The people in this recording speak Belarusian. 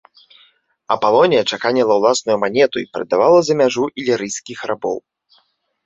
Апалонія чаканіла ўласную манету і прадавала за мяжу ілірыйскіх рабоў.